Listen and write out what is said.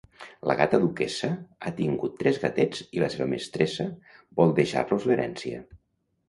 La gata Duquessa ha tingut tres gatets i la seva mestressa vols deixar-los l'herència.